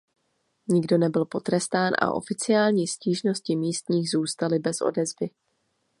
Nikdo nebyl potrestán a oficiální stížnosti místních zůstaly bez odezvy.